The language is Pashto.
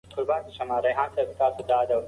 خپل هدف ومومئ.